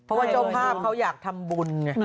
เพราะว่าเจ้าภาพเขาอยากทำบุญไง